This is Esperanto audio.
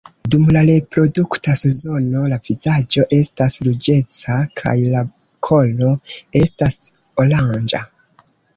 Dum la reprodukta sezono, la vizaĝo estas ruĝeca kaj la kolo estas oranĝa.